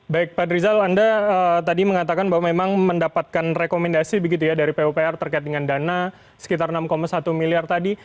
baik pak drizal anda tadi mengatakan bahwa memang mendapatkan rekomendasi begitu ya dari pupr terkait dengan dana sekitar enam satu miliar tadi